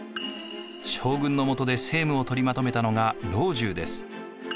将軍のもとで政務を取りまとめたのが老中です。